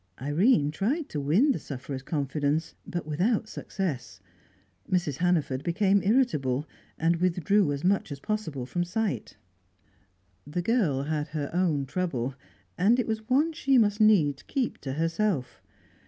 Irene tried to win the sufferer's confidence, but without success. Mrs. Hannaford became irritable, and withdrew as much as possible from sight. The girl had her own trouble, and it was one she must needs keep to herself.